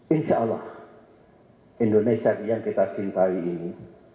insyaallah indonesia yang kita cintai ini